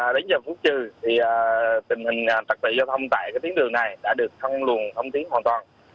đến giờ phút trừ thì tình hình tạc tự giao thông tại cái tiếng đường này đã được phân luồng thông tiếng hoàn toàn